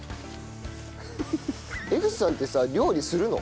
江口さんってさ料理するの？